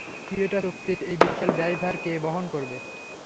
কিয়েটো চুক্তির এই বিশাল ব্যয়ভার কে বহন করবে?